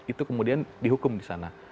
itu kemudian dihukum di sana